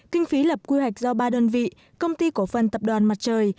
kinh phí lập quy hoạch do ba đơn vị công ty cổ phần tập đoàn mặt trời